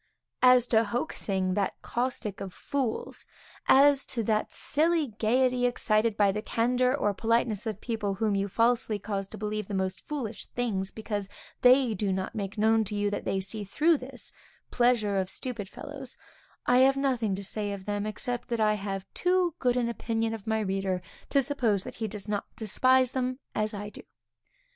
As to hoaxing, that caustic of fools; as to that silly gaiety, excited by the candor or politeness of people whom you falsely cause to believe the most foolish things, because they do not make known to you that they see through this pleasure of stupid fellows, I have nothing to say of them, except that I have too good an opinion of my reader to suppose that he does not despise them as I do.